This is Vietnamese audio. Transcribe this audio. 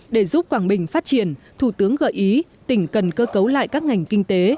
để giúp quảng bình phát triển thủ tướng gợi ý tỉnh cần cơ cấu lại các ngành kinh tế